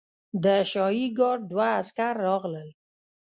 د شاهي ګارډ دوه عسکر راغلل.